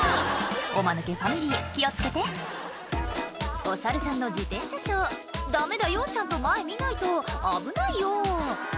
おマヌケファミリー気を付けてお猿さんの自転車ショーダメだよちゃんと前見ないと危ないよ